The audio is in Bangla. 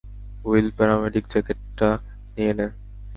উইল, প্যারামেডিক জ্যাকেটটা নিয়ে নে।